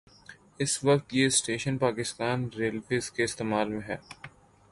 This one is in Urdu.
اس وقت یہ اسٹیشن پاکستان ریلویز کے استعمال میں ہے